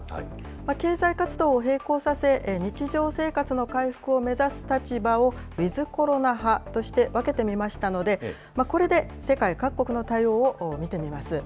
経済活動を並行させ、日常生活の回復を目指す立場をウィズコロナ派として分けてみましたので、これで世界各国の対応を見てみます。